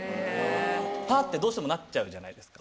「ハッ！」ってどうしてもなっちゃうじゃないですか。